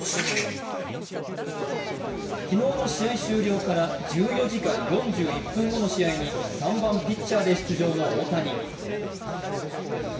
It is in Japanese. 昨日の試合終了から１４時間４１分後の試合に３番・ピッチャーで出場の大谷。